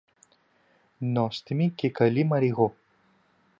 Νόστιμη και καλή Μαριγώ!.